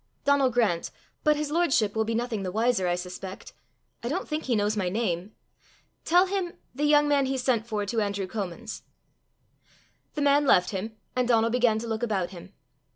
"Donal Grant; but his lordship will be nothing the wiser, I suspect; I don't think he knows my name. Tell him the young man he sent for to Andrew Comin's." The man left him, and Donal began to look about him.